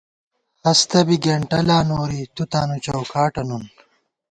ہستہ بی گېنٹہ لا نوری، تُو تانُو چَوکاٹہ نُون